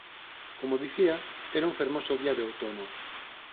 Como dicía, era un fermoso día de outono.